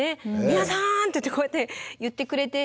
「皆さん！」ってこうやって言ってくれて。